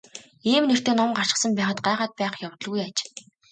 Ийм нэртэй ном гарчихсан байхад гайхаад байх явдалгүй аж.